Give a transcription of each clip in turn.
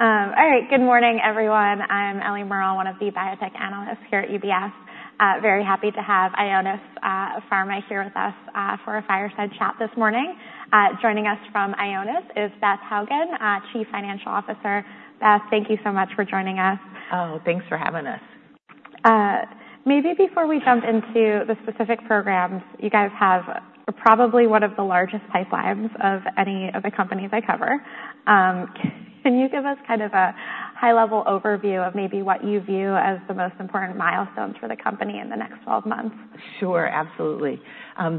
All right. Good morning, everyone. I'm Ellie Merle, one of the biotech analysts here at UBS. Very happy to have Ionis Pharma here with us for a fireside chat this morning. Joining us from Ionis is Beth Hougen, Chief Financial Officer. Beth, thank you so much for joining us. Oh, thanks for having us. Maybe before we jump into the specific programs, you guys have probably one of the largest pipelines of any of the companies I cover. Can you give us kind of a high-level overview of maybe what you view as the most important milestones for the company in the next 12 months? Sure, absolutely.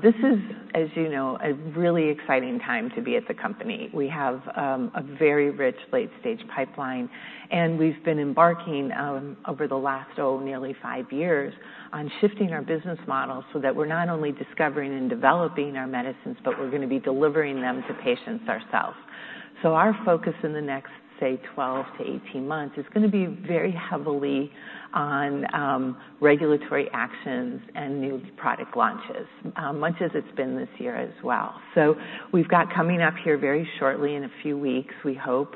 This is, as you know, a really exciting time to be at the company. We have a very rich late-stage pipeline. And we've been embarking over the last, oh, nearly five years on shifting our business model so that we're not only discovering and developing our medicines, but we're going to be delivering them to patients ourselves. So our focus in the next, say, 12-18 months is going to be very heavily on regulatory actions and new product launches, much as it's been this year as well. So we've got coming up here very shortly, in a few weeks, we hope,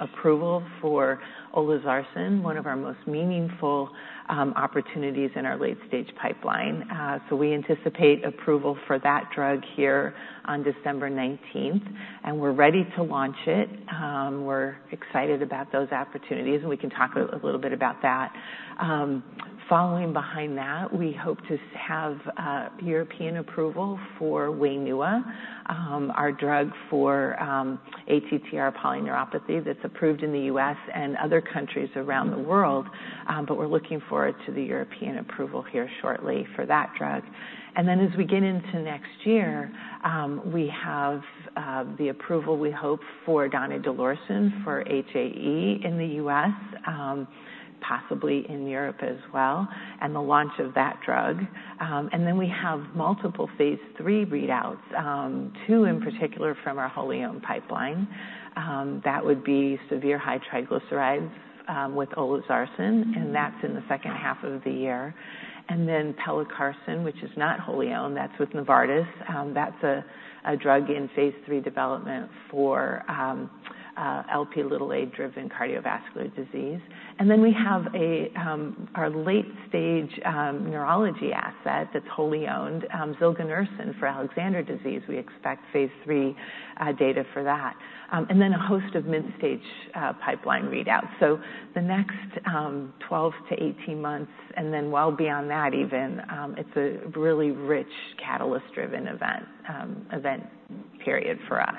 approval for olezarsen, one of our most meaningful opportunities in our late-stage pipeline. So we anticipate approval for that drug here on December 19. And we're ready to launch it. We're excited about those opportunities. And we can talk a little bit about that. Following behind that, we hope to have European approval for Wainua, our drug for ATTR polyneuropathy that's approved in the U.S. and other countries around the world. But we're looking forward to the European approval here shortly for that drug. And then as we get into next year, we have the approval, we hope, for donidalorsen for HAE in the U.S., possibly in Europe as well, and the launch of that drug. And then we have multiple phase three readouts, two in particular from our wholly owned pipeline. That would be severe high triglycerides with olezarsen. And that's in the second half of the year. And then pelacarsen, which is not wholly owned, that's with Novartis. That's a drug in phase three development for Lp(a) driven cardiovascular disease. And then we have our late-stage neurology asset that's wholly owned, zilganersen for Alexander disease. We expect phase 3 data for that, and then a host of mid-stage pipeline readouts, so the next 12 to 18 months, and then well beyond that even. It's a really rich catalyst-driven event period for us.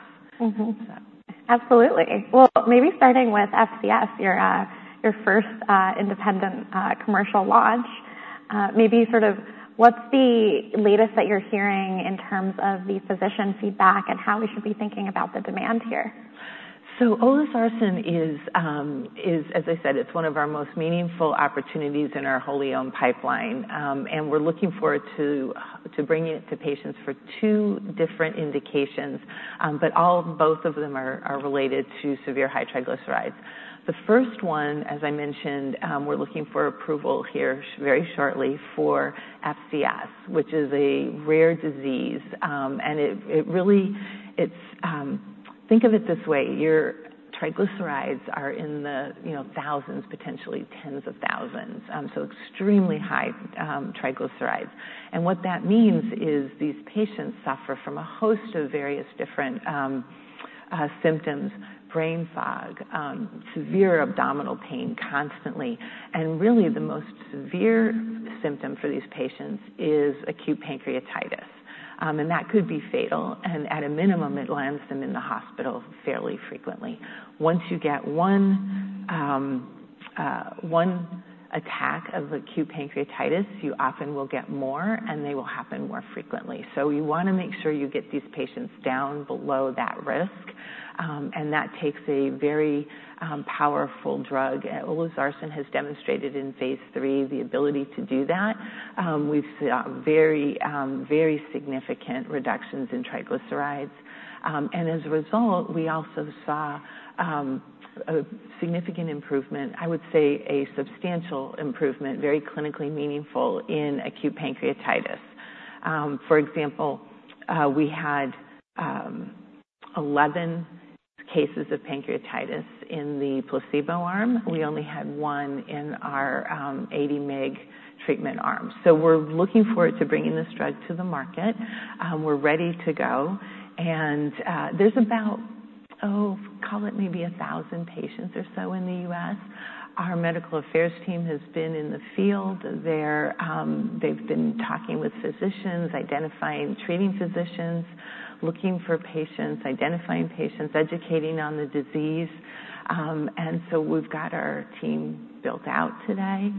Absolutely. Well, maybe starting with FCS, your first independent commercial launch. Maybe sort of what's the latest that you're hearing in terms of the physician feedback and how we should be thinking about the demand here? So olezarsen is, as I said, it's one of our most meaningful opportunities in our wholly owned pipeline. And we're looking forward to bringing it to patients for two different indications. But both of them are related to severe high triglycerides. The first one, as I mentioned, we're looking for approval here very shortly for FCS, which is a rare disease. And it really is. Think of it this way. Your triglycerides are in the thousands, potentially tens of thousands. So extremely high triglycerides. And what that means is these patients suffer from a host of various different symptoms: brain fog, severe abdominal pain constantly. And really, the most severe symptom for these patients is acute pancreatitis. And that could be fatal. And at a minimum, it lands them in the hospital fairly frequently. Once you get one attack of acute pancreatitis, you often will get more. They will happen more frequently. So you want to make sure you get these patients down below that risk. That takes a very powerful drug. olezarsen has demonstrated in phase 3 the ability to do that. We've seen very, very significant reductions in triglycerides. As a result, we also saw a significant improvement, I would say a substantial improvement, very clinically meaningful in acute pancreatitis. For example, we had 11 cases of pancreatitis in the placebo arm. We only had one in our 80-mg treatment arm. So we're looking forward to bringing this drug to the market. We're ready to go. There's about, oh, call it maybe 1,000 patients or so in the US. Our medical affairs team has been in the field. They've been talking with physicians, identifying treating physicians, looking for patients, identifying patients, educating on the disease. And so we've got our team built out today.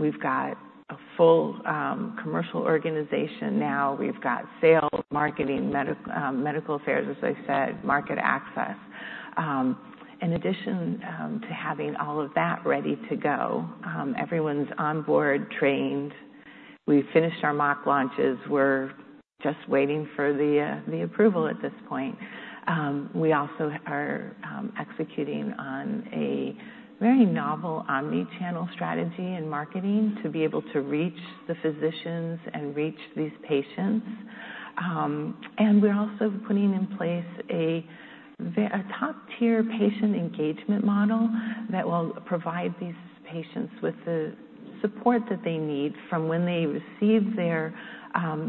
We've got a full commercial organization now. We've got sales, marketing, medical affairs, as I said, market access. In addition to having all of that ready to go, everyone's on board, trained. We've finished our mock launches. We're just waiting for the approval at this point. We also are executing on a very novel omni-channel strategy in marketing to be able to reach the physicians and reach these patients. And we're also putting in place a top-tier patient engagement model that will provide these patients with the support that they need from when they receive their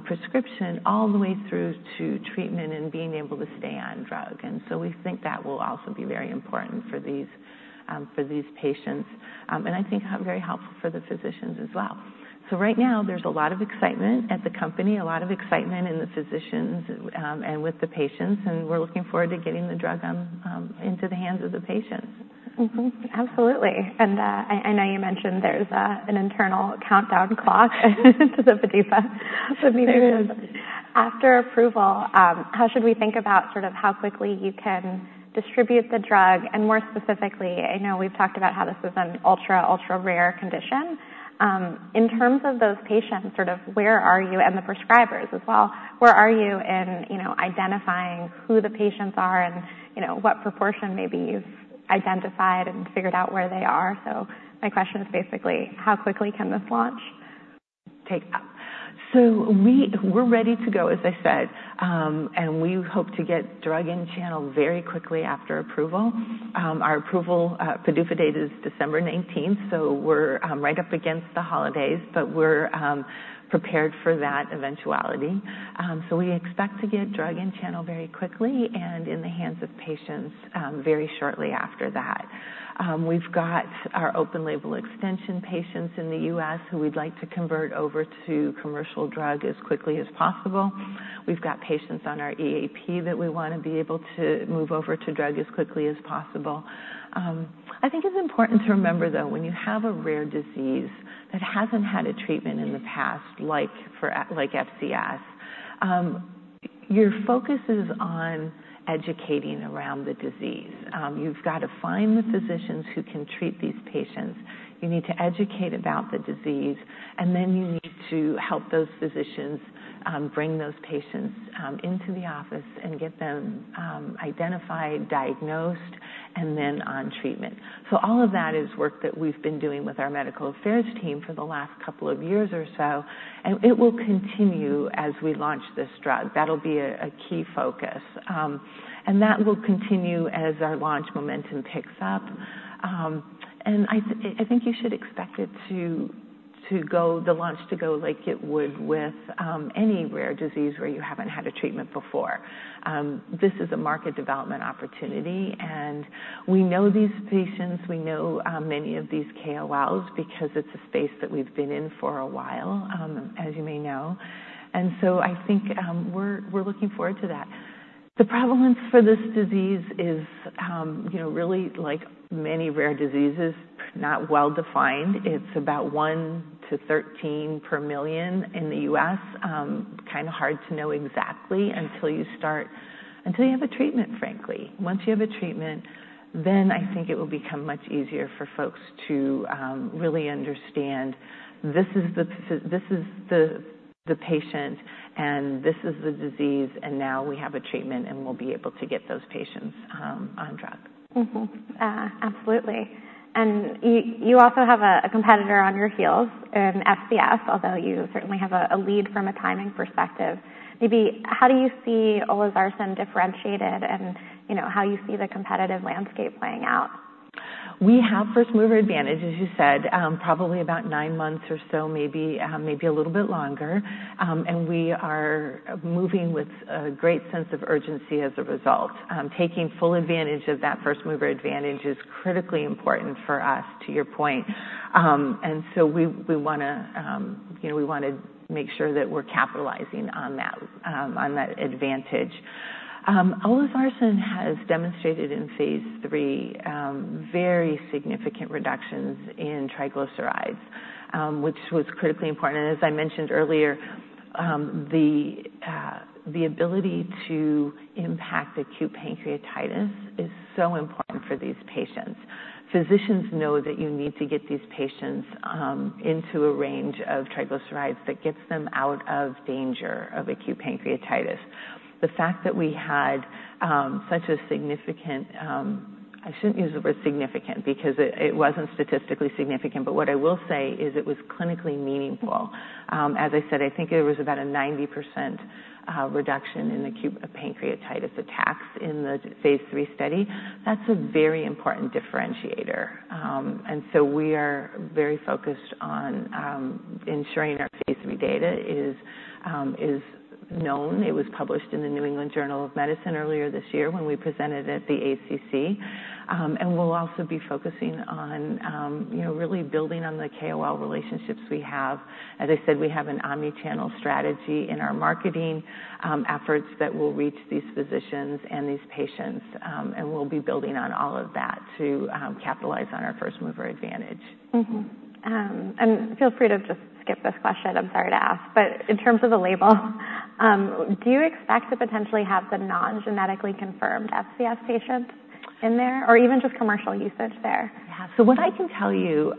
prescription all the way through to treatment and being able to stay on drug. And so we think that will also be very important for these patients. And I think very helpful for the physicians as well. So right now, there's a lot of excitement at the company, a lot of excitement in the physicians and with the patients. And we're looking forward to getting the drug into the hands of the patients. Absolutely. And I know you mentioned there's an internal countdown clock to the PDUFA. So after approval, how should we think about sort of how quickly you can distribute the drug? And more specifically, I know we've talked about how this is an ultra, ultra rare condition. In terms of those patients, sort of where are you and the prescribers as well? Where are you in identifying who the patients are and what proportion maybe you've identified and figured out where they are? So my question is basically, how quickly can this launch? We're ready to go, as I said. We hope to get drug in channel very quickly after approval. Our approval PDUFA date is December 19. We're right up against the holidays. We're prepared for that eventuality. We expect to get drug in channel very quickly and in the hands of patients very shortly after that. We've got our open label extension patients in the US who we'd like to convert over to commercial drug as quickly as possible. We've got patients on our EAP that we want to be able to move over to drug as quickly as possible. I think it's important to remember, though, when you have a rare disease that hasn't had a treatment in the past, like FCS, your focus is on educating around the disease. You've got to find the physicians who can treat these patients. You need to educate about the disease. And then you need to help those physicians bring those patients into the office and get them identified, diagnosed, and then on treatment. So all of that is work that we've been doing with our medical affairs team for the last couple of years or so. And it will continue as we launch this drug. That'll be a key focus. And that will continue as our launch momentum picks up. And I think you should expect it to go, the launch to go like it would with any rare disease where you haven't had a treatment before. This is a market development opportunity. And we know these patients. We know many of these KOLs because it's a space that we've been in for a while, as you may know. And so I think we're looking forward to that. The prevalence for this disease is really like many rare diseases, not well defined. It's about one to 13 per million in the U.S. Kind of hard to know exactly until you start, until you have a treatment, frankly. Once you have a treatment, then I think it will become much easier for folks to really understand this is the patient and this is the disease, and now we have a treatment and we'll be able to get those patients on drug. Absolutely. And you also have a competitor on your heels, FCS, although you certainly have a lead from a timing perspective. Maybe how do you see olezarsen differentiated and how you see the competitive landscape playing out? We have first mover advantage, as you said, probably about nine months or so, maybe a little bit longer. And we are moving with a great sense of urgency as a result. Taking full advantage of that first mover advantage is critically important for us, to your point. And so we want to make sure that we're capitalizing on that advantage. olezarsen has demonstrated in phase three very significant reductions in triglycerides, which was critically important. And as I mentioned earlier, the ability to impact acute pancreatitis is so important for these patients. Physicians know that you need to get these patients into a range of triglycerides that gets them out of danger of acute pancreatitis. The fact that we had such a significant. I shouldn't use the word significant because it wasn't statistically significant. But what I will say is it was clinically meaningful. As I said, I think there was about a 90% reduction in acute pancreatitis attacks in the phase 3 study. That's a very important differentiator. And so we are very focused on ensuring our phase 3 data is known. It was published in the New England Journal of Medicine earlier this year when we presented at the ACC. And we'll also be focusing on really building on the KOL relationships we have. As I said, we have an omni-channel strategy in our marketing efforts that will reach these physicians and these patients. And we'll be building on all of that to capitalize on our first mover advantage. Feel free to just skip this question. I'm sorry to ask. In terms of the label, do you expect to potentially have the non-genetically confirmed FCS patients in there or even just commercial usage there? Yeah. So what I can tell you,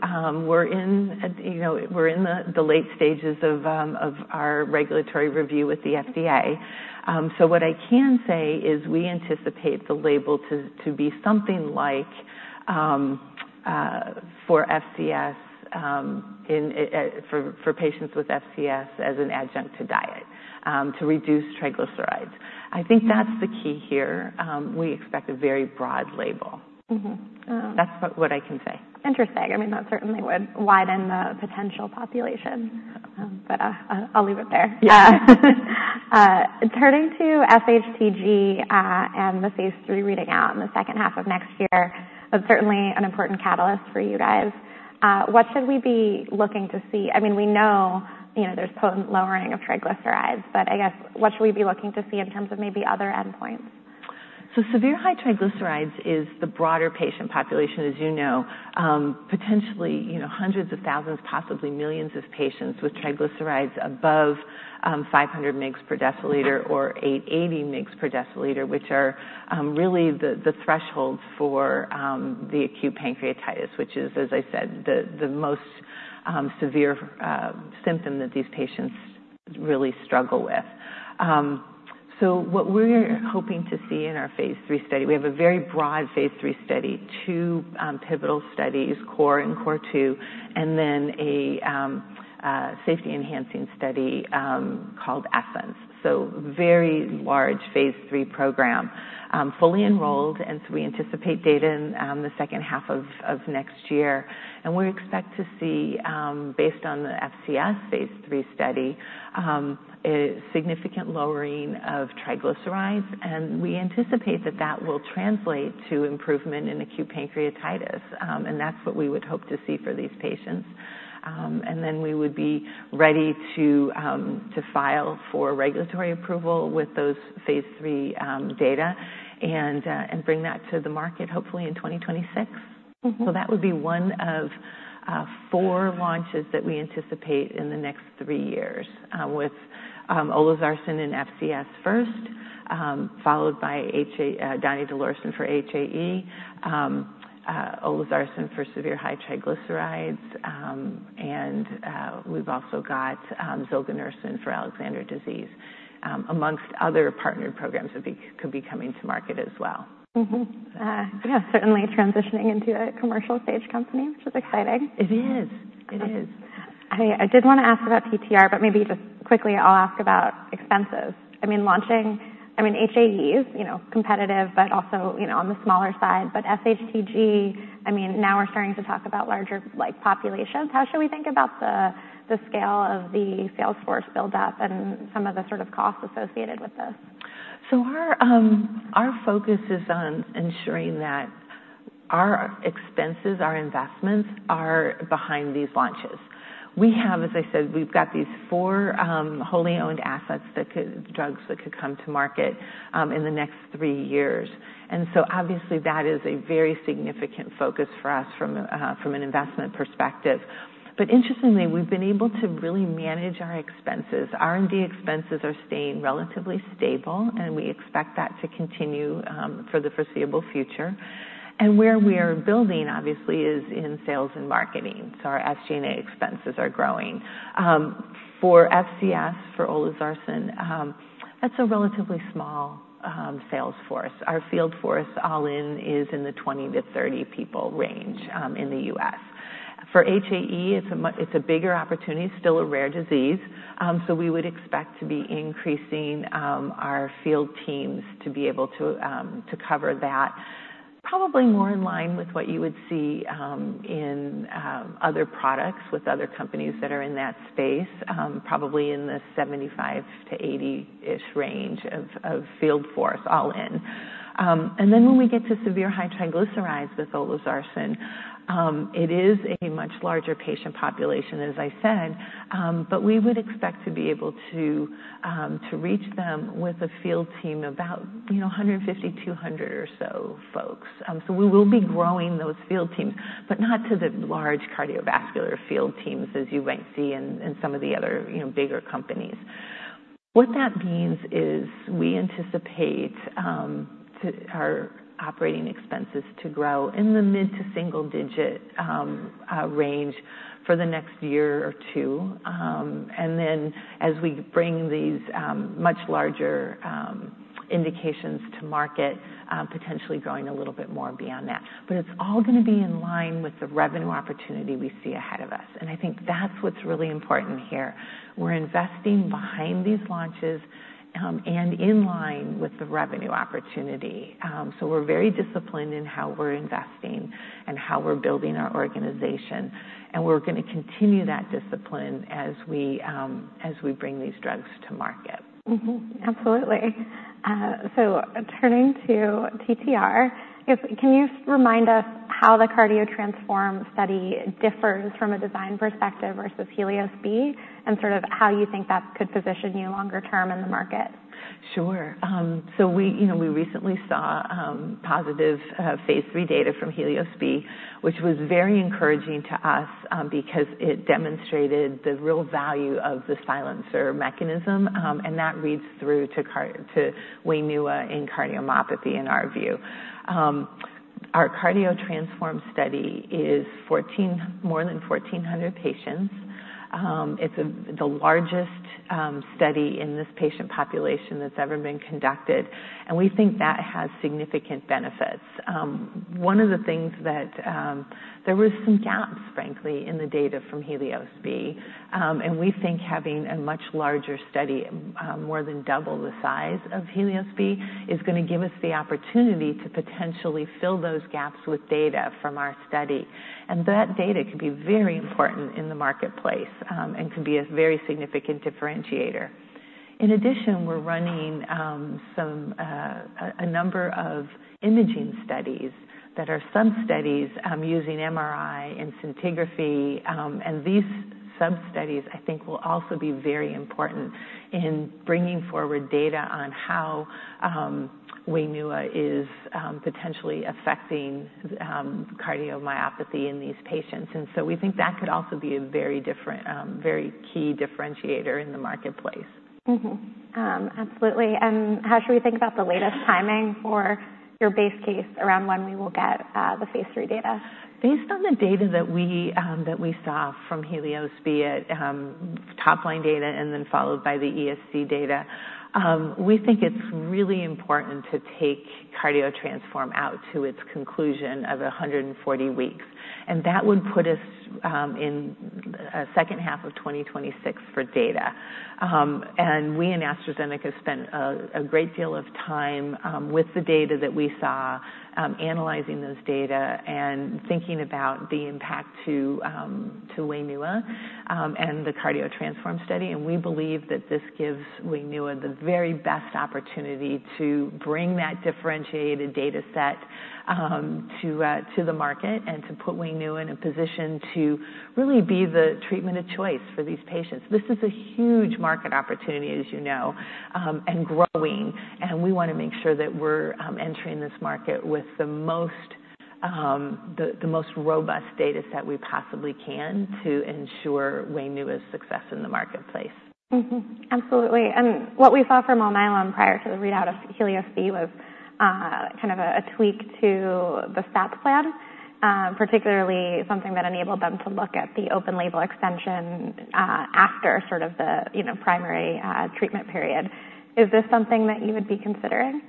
we're in the late stages of our regulatory review with the FDA. So what I can say is we anticipate the label to be something like for FCS, for patients with FCS as an adjunct to diet to reduce triglycerides. I think that's the key here. We expect a very broad label. That's what I can say. Interesting. I mean, that certainly would widen the potential population, but I'll leave it there. Yeah. Turning to FCS and the phase three reading out in the second half of next year, that's certainly an important catalyst for you guys. What should we be looking to see? I mean, we know there's potent lowering of triglycerides. But I guess what should we be looking to see in terms of maybe other endpoints? Severe high triglycerides is the broader patient population, as you know, potentially hundreds of thousands, possibly millions of patients with triglycerides above 500 mg/dL or 880 mg/dL, which are really the thresholds for the acute pancreatitis, which is, as I said, the most severe symptom that these patients really struggle with. What we're hoping to see in our phase 3 study, we have a very broad phase 3 study, two pivotal studies, CORE and CORE2, and then a safety enhancing study called ESSENCE. Very large phase 3 program, fully enrolled. We anticipate data in the second half of next year. We expect to see, based on the FCS phase 3 study, a significant lowering of triglycerides. We anticipate that that will translate to improvement in acute pancreatitis. That's what we would hope to see for these patients. And then we would be ready to file for regulatory approval with those phase 3 data and bring that to the market, hopefully in 2026. So that would be one of four launches that we anticipate in the next three years with olezarsen and FCS first, followed by donidalorsen for HAE, olezarsen for severe high triglycerides. And we've also got zilganersen for Alexander disease, amongst other partnered programs that could be coming to market as well. Yeah, certainly transitioning into a commercial stage company, which is exciting. It is. It is. I did want to ask about TTR, but maybe just quickly, I'll ask about expenses. I mean, launching, I mean, HAE is competitive, but also on the smaller side. But FCS, I mean, now we're starting to talk about larger populations. How should we think about the scale of the sales force buildup and some of the sort of costs associated with this? So our focus is on ensuring that our expenses, our investments are behind these launches. We have, as I said, we've got these four wholly owned assets, drugs that could come to market in the next three years. And so obviously, that is a very significant focus for us from an investment perspective. But interestingly, we've been able to really manage our expenses. R&D expenses are staying relatively stable. And we expect that to continue for the foreseeable future. And where we are building, obviously, is in sales and marketing. So our SG&A expenses are growing. For FCS, for olezarsen, that's a relatively small sales force. Our field force all in is in the 20-30 people range in the U.S. For HAE, it's a bigger opportunity, still a rare disease. We would expect to be increasing our field teams to be able to cover that, probably more in line with what you would see in other products with other companies that are in that space, probably in the 75-80-ish range of field force all in. And then when we get to severe high triglycerides with olezarsen, it is a much larger patient population, as I said. But we would expect to be able to reach them with a field team about 150-200 or so folks. So we will be growing those field teams, but not to the large cardiovascular field teams as you might see in some of the other bigger companies. What that means is we anticipate our operating expenses to grow in the mid- to single-digit range for the next year or two. And then as we bring these much larger indications to market, potentially growing a little bit more beyond that. But it's all going to be in line with the revenue opportunity we see ahead of us. And I think that's what's really important here. We're investing behind these launches and in line with the revenue opportunity. So we're very disciplined in how we're investing and how we're building our organization. And we're going to continue that discipline as we bring these drugs to market. Absolutely. So turning to TTR, can you remind us how the CardioTransform study differs from a design perspective versus HELIOS-B and sort of how you think that could position you longer term in the market? Sure. We recently saw positive phase 3 data from HELIOS-B, which was very encouraging to us because it demonstrated the real value of the silencer mechanism. That reads through to Wainua and cardiomyopathy in our view. Our CardioTransform study is more than 1,400 patients. It's the largest study in this patient population that's ever been conducted. We think that has significant benefits. One of the things that there were some gaps, frankly, in the data from HELIOS-B. We think having a much larger study, more than double the size of HELIOS-B, is going to give us the opportunity to potentially fill those gaps with data from our study. That data could be very important in the marketplace and could be a very significant differentiator. In addition, we're running a number of imaging studies that are sub-studies using MRI and scintigraphy. And these sub-studies, I think, will also be very important in bringing forward data on how Wainua is potentially affecting cardiomyopathy in these patients. And so we think that could also be a very key differentiator in the marketplace. Absolutely. And how should we think about the latest timing for your base case around when we will get the Phase 3 data? Based on the data that we saw from HELIOS-B, top line data, and then followed by the ESC data, we think it's really important to take CardioTransform out to its conclusion of 140 weeks. That would put us in the second half of 2026 for data. We and AstraZeneca spent a great deal of time with the data that we saw, analyzing those data and thinking about the impact to Wainua and the CardioTransform study. We believe that this gives Wainua the very best opportunity to bring that differentiated data set to the market and to put Wainua in a position to really be the treatment of choice for these patients. This is a huge market opportunity, as you know, and growing. We want to make sure that we're entering this market with the most robust data set we possibly can to ensure Wainua's success in the marketplace. Absolutely. And what we saw from Alnylam prior to the readout of HELIOS-B was kind of a tweak to the SAP plan, particularly something that enabled them to look at the open label extension after sort of the primary treatment period. Is this something that you would be considering?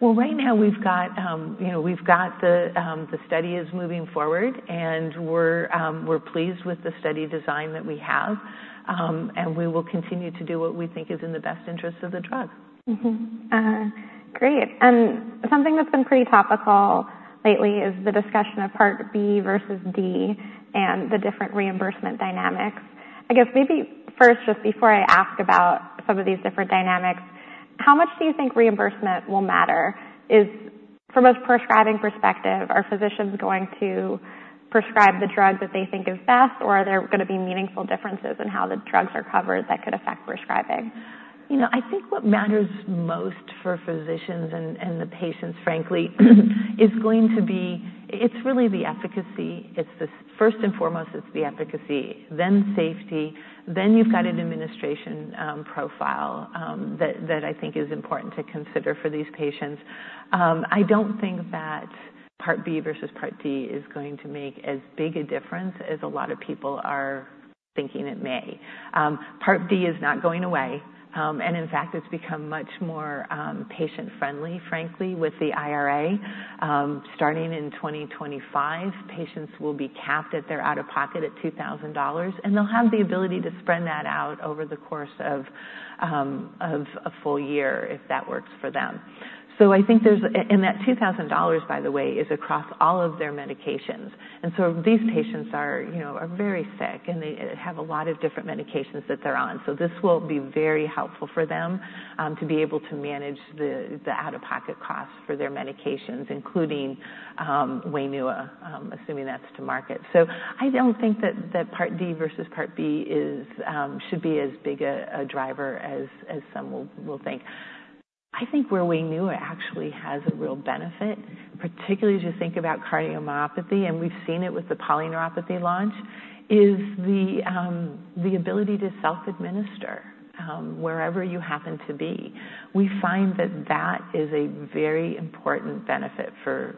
Well, right now, we've got the study is moving forward. And we're pleased with the study design that we have. And we will continue to do what we think is in the best interest of the drug. Great. And something that's been pretty topical lately is the discussion of Part B versus D and the different reimbursement dynamics. I guess maybe first, just before I ask about some of these different dynamics, how much do you think reimbursement will matter? From a prescribing perspective, are physicians going to prescribe the drug that they think is best? Or are there going to be meaningful differences in how the drugs are covered that could affect prescribing? I think what matters most for physicians and the patients, frankly, is going to be it's really the efficacy. First and foremost, it's the efficacy. Then safety. Then you've got an administration profile that I think is important to consider for these patients. I don't think that Part B versus Part D is going to make as big a difference as a lot of people are thinking it may. Part D is not going away. And in fact, it's become much more patient-friendly, frankly, with the IRA. Starting in 2025, patients will be capped at their out-of-pocket at $2,000. And they'll have the ability to spread that out over the course of a full year if that works for them. So I think there's, and that $2,000, by the way, is across all of their medications. And so these patients are very sick. They have a lot of different medications that they're on. So this will be very helpful for them to be able to manage the out-of-pocket costs for their medications, including Wainua, assuming that's to market. So I don't think that Part D versus Part B should be as big a driver as some will think. I think where Wainua actually has a real benefit, particularly as you think about cardiomyopathy, and we've seen it with the polyneuropathy launch, is the ability to self-administer wherever you happen to be. We find that that is a very important benefit for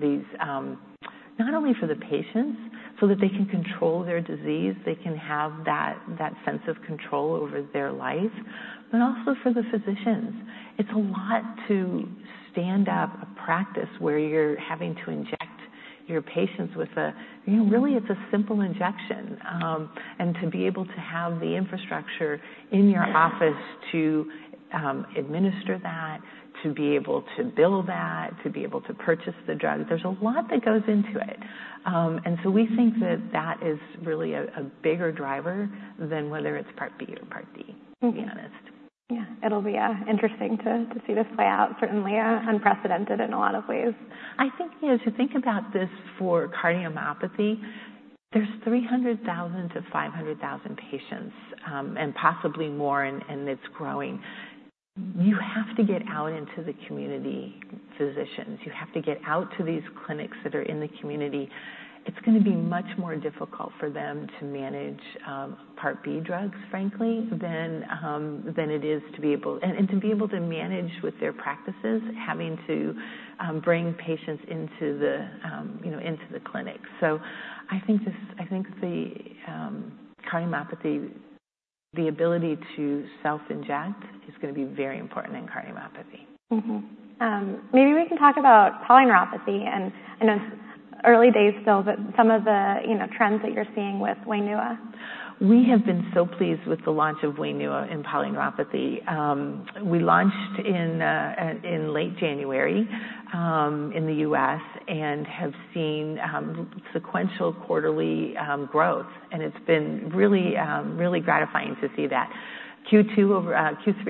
these, not only for the patients, so that they can control their disease, they can have that sense of control over their life, but also for the physicians. It's a lot to stand up a practice where you're having to inject your patients with a really, it's a simple injection. To be able to have the infrastructure in your office to administer that, to be able to bill that, to be able to purchase the drug, there's a lot that goes into it. We think that that is really a bigger driver than whether it's Part B or Part D, to be honest. Yeah. It'll be interesting to see this play out, certainly unprecedented in a lot of ways. I think, to think about this for cardiomyopathy, there's 300,000-500,000 patients and possibly more, and it's growing. You have to get out into the community physicians. You have to get out to these clinics that are in the community. It's going to be much more difficult for them to manage Part B drugs, frankly, than it is to be able to manage with their practices having to bring patients into the clinic. So I think the cardiomyopathy, the ability to self-inject, is going to be very important in cardiomyopathy. Maybe we can talk about polyneuropathy and in its early days still, but some of the trends that you're seeing with Wainua. We have been so pleased with the launch of Wainua in polyneuropathy. We launched in late January in the U.S. and have seen sequential quarterly growth. It's been really, really gratifying to see that. Q3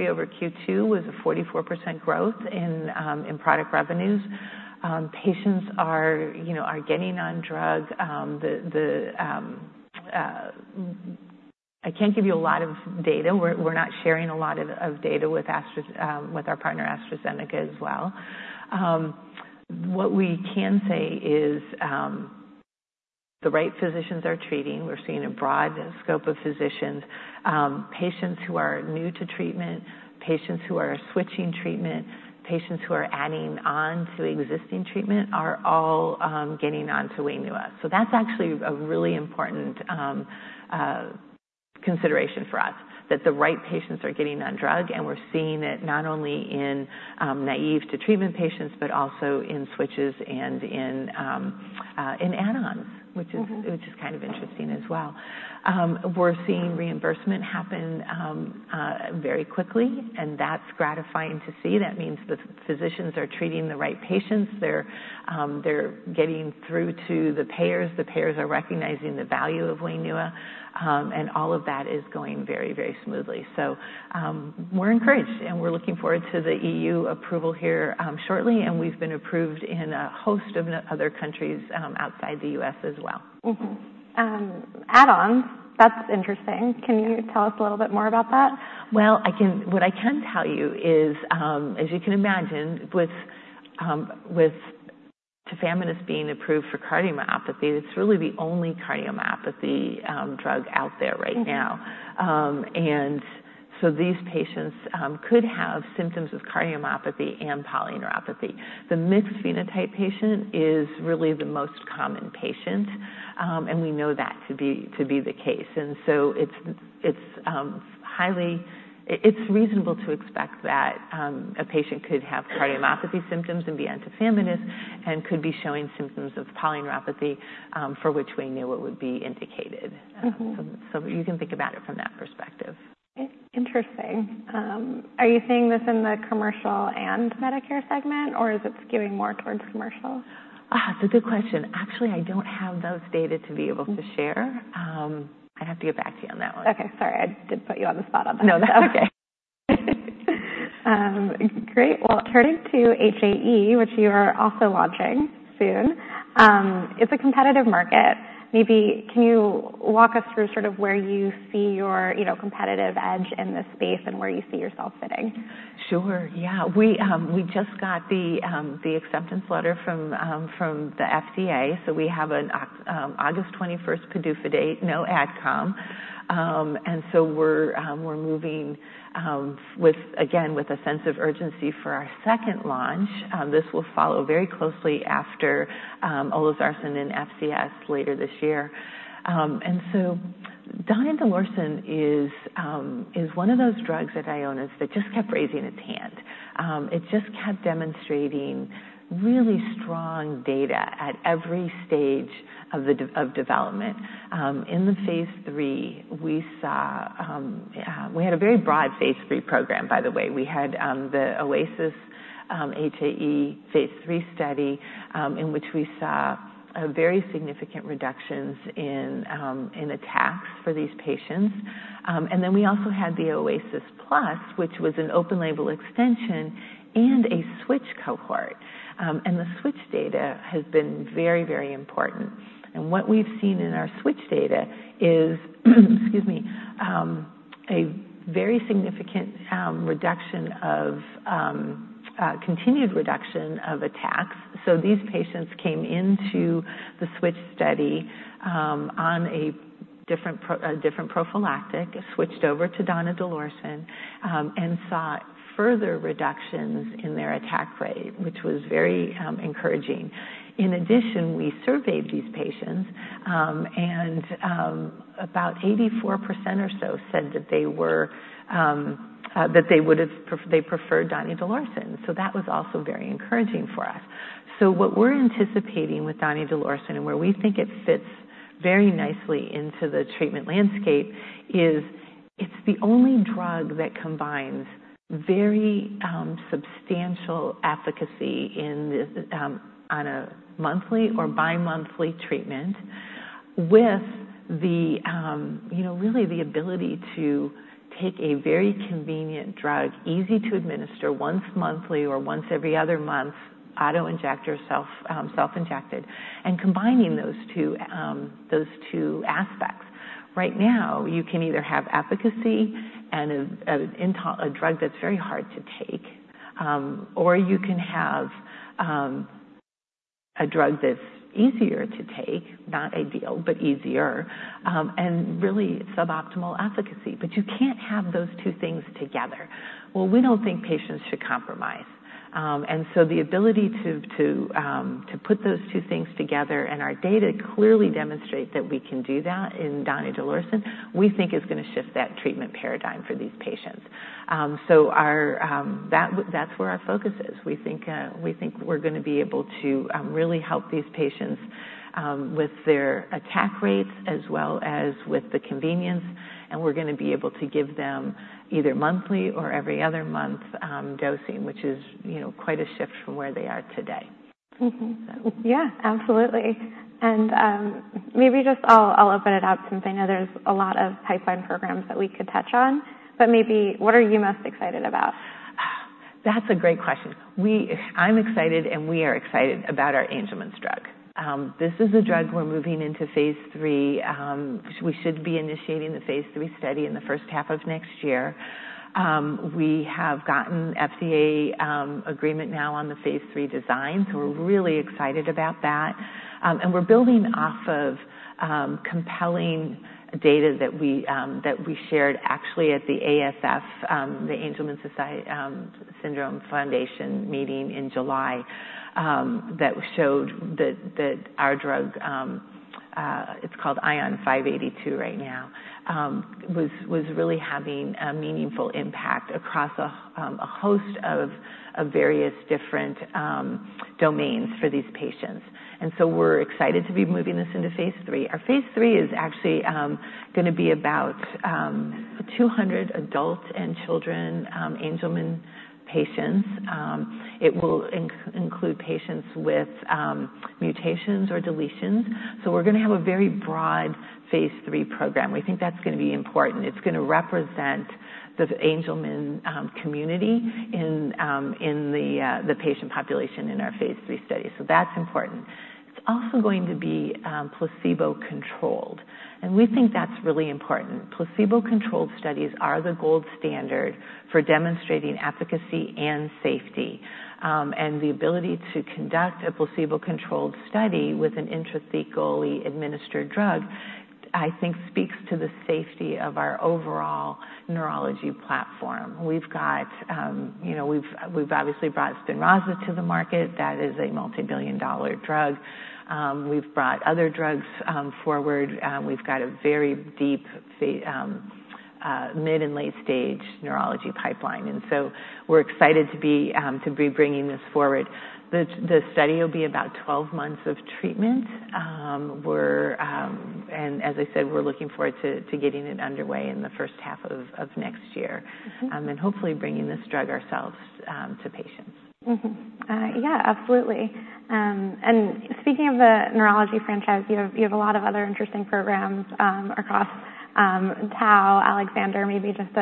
over Q2 was a 44% growth in product revenues. Patients are getting on drug. I can't give you a lot of data. We're not sharing a lot of data with our partner, AstraZeneca, as well. What we can say is the right physicians are treating. We're seeing a broad scope of physicians. Patients who are new to treatment, patients who are switching treatment, patients who are adding on to existing treatment are all getting on to Wainua. That's actually a really important consideration for us, that the right patients are getting on drug. And we're seeing it not only in naïve to treatment patients, but also in switches and in add-ons, which is kind of interesting as well. We're seeing reimbursement happen very quickly. And that's gratifying to see. That means the physicians are treating the right patients. They're getting through to the payers. The payers are recognizing the value of Wainua. And all of that is going very, very smoothly. So we're encouraged. And we're looking forward to the EU approval here shortly. And we've been approved in a host of other countries outside the U.S. as well. Add-ons, that's interesting. Can you tell us a little bit more about that? What I can tell you is, as you can imagine, with tafamidis being approved for cardiomyopathy, it's really the only cardiomyopathy drug out there right now. These patients could have symptoms of cardiomyopathy and polyneuropathy. The mixed phenotype patient is really the most common patient. We know that to be the case. It's reasonable to expect that a patient could have cardiomyopathy symptoms and be on tafamidis and could be showing symptoms of polyneuropathy for which Wainua would be indicated. You can think about it from that perspective. Interesting. Are you seeing this in the commercial and Medicare segment? Or is it skewing more towards commercial? That's a good question. Actually, I don't have those data to be able to share. I'd have to get back to you on that one. Okay. Sorry. I did put you on the spot on that. No, that's okay. Great. Well, turning to HAE, which you are also launching soon. It's a competitive market. Maybe can you walk us through sort of where you see your competitive edge in this space and where you see yourself fitting? Sure. Yeah. We just got the acceptance letter from the FDA. So we have an August 21st PDUFA date, no ad com. And so we're moving, again, with a sense of urgency for our second launch. This will follow very closely after olezarsen and FCS later this year. And so donidalorsen is one of those drugs at Ionis that just kept raising its hand. It just kept demonstrating really strong data at every stage of development. In the phase 3, we had a very broad phase 3 program, by the way. We had the OASIS-HAE phase 3 study in which we saw very significant reductions in attacks for these patients. And then we also had the OASIS-Plus, which was an open-label extension and a switch cohort. And the switch data has been very, very important. And what we've seen in our switch data is, excuse me, a very significant reduction of continued reduction of attacks. So these patients came into the switch study on a different prophylactic, switched over to donidalorsen, and saw further reductions in their attack rate, which was very encouraging. In addition, we surveyed these patients. And about 84% or so said that they would have preferred donidalorsen. So that was also very encouraging for us. So what we're anticipating with donidalorsen and where we think it fits very nicely into the treatment landscape is it's the only drug that combines very substantial efficacy on a monthly or bi-monthly treatment with really the ability to take a very convenient drug, easy to administer once monthly or once every other month, auto-inject or self-injected, and combining those two aspects. Right now, you can either have efficacy and a drug that's very hard to take, or you can have a drug that's easier to take, not ideal, but easier, and really suboptimal efficacy. You can't have those two things together. We don't think patients should compromise. The ability to put those two things together, and our data clearly demonstrate that we can do that in donidalorsen, we think is going to shift that treatment paradigm for these patients. That's where our focus is. We think we're going to be able to really help these patients with their attack rates as well as with the convenience. We're going to be able to give them either monthly or every other month dosing, which is quite a shift from where they are today. Yeah. Absolutely. And maybe just I'll open it up since I know there's a lot of pipeline programs that we could touch on. But maybe what are you most excited about? That's a great question. I'm excited, and we are excited about our Angelman drug. This is a drug we're moving into phase 3. We should be initiating the phase 3 study in the first half of next year. We have gotten FDA agreement now on the phase 3 design. So we're really excited about that. And we're building off of compelling data that we shared actually at the ASF, the Angelman Syndrome Foundation meeting in July that showed that our drug, it's called ION582 right now, was really having a meaningful impact across a host of various different domains for these patients. And so we're excited to be moving this into phase 3. Our phase 3 is actually going to be about 200 adult and children Angelman patients. It will include patients with mutations or deletions. So we're going to have a very broad phase 3 program. We think that's going to be important. It's going to represent the Angelman community in the patient population in our phase 3 study, so that's important. It's also going to be placebo-controlled, and we think that's really important. Placebo-controlled studies are the gold standard for demonstrating efficacy and safety, and the ability to conduct a placebo-controlled study with an intrathecally administered drug, I think, speaks to the safety of our overall neurology platform. We've obviously brought Spinraza to the market. That is a multi-billion dollar drug. We've brought other drugs forward. We've got a very deep mid and late-stage neurology pipeline, and so we're excited to be bringing this forward. The study will be about 12 months of treatment, and as I said, we're looking forward to getting it underway in the first half of next year and hopefully bringing this drug ourselves to patients. Yeah. Absolutely. And speaking of the neurology franchise, you have a lot of other interesting programs across tau, Alexander, maybe just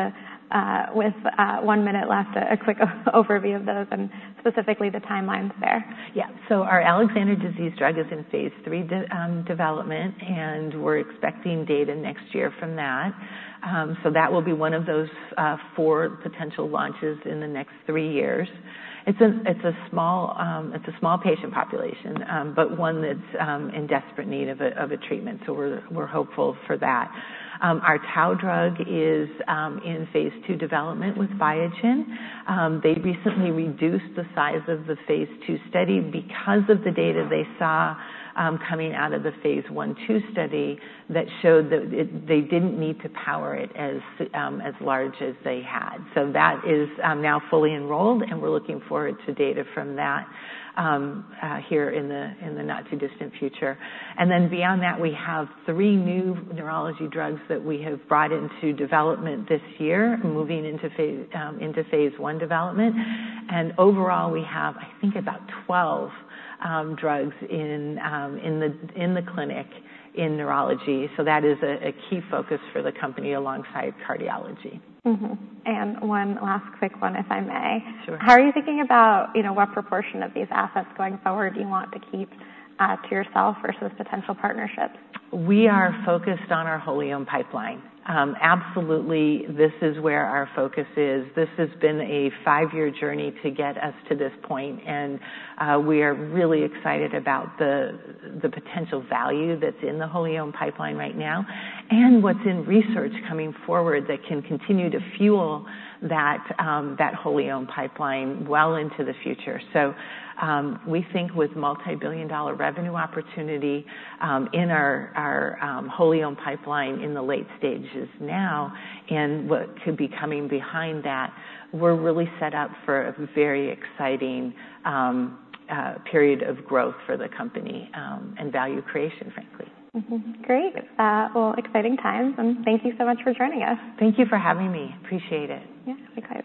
with one minute left, a quick overview of those and specifically the timelines there. Yeah. So our Alexander disease drug is in phase 3 development. And we're expecting data next year from that. So that will be one of those four potential launches in the next three years. It's a small patient population, but one that's in desperate need of a treatment. So we're hopeful for that. Our tau drug is in phase 2 development with Biogen. They recently reduced the size of the phase 2 study because of the data they saw coming out of the phase 1/2 study that showed that they didn't need to power it as large as they had. So that is now fully enrolled. And we're looking forward to data from that here in the not-too-distant future. And then beyond that, we have three new neurology drugs that we have brought into development this year, moving into phase 1 development. Overall, we have, I think, about 12 drugs in the clinic in neurology. That is a key focus for the company alongside cardiology. And one last quick one, if I may. How are you thinking about what proportion of these assets going forward you want to keep to yourself versus potential partnerships? We are focused on our wholly owned pipeline. Absolutely. This is where our focus is. This has been a five-year journey to get us to this point, and we are really excited about the potential value that's in the wholly owned pipeline right now and what's in research coming forward that can continue to fuel that wholly owned pipeline well into the future, so we think with multi-billion-dollar revenue opportunity in our wholly owned pipeline in the late stages now and what could be coming behind that, we're really set up for a very exciting period of growth for the company and value creation, frankly. Great. Well, exciting times. And thank you so much for joining us. Thank you for having me. Appreciate it. Yeah. We appreciate it.